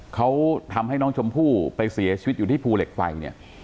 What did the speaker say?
เขาทำให้น้องชมพู่ไปเสียชีวิตอยู่ที่ภูเหล็กไฟเนี่ย